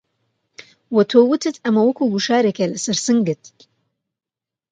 وە تۆ وتت ئەمە وەکوو گوشارێکه لەسەر سنگت